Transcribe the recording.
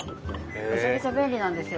めちゃめちゃ便利なんですよ。